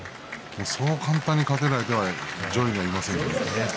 そう簡単に勝てる相手は上位にはいませんから。